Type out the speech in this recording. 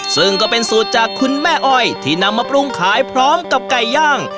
ซึ่งก็เป็นสูตรจากคุณแม่อ้อยที่นำมาปรุงขายพร้อมกับไก่ย่าง